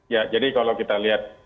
ya jadi kalau kita lihat